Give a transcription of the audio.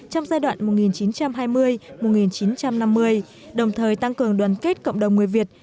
trong giai đoạn một nghìn chín trăm hai mươi một nghìn chín trăm năm mươi đồng thời tăng cường đoàn kết cộng đồng người việt